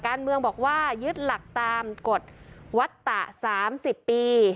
การเมืองบอกว่ายึดหลักตามกฎวัตตะ๓๐ปี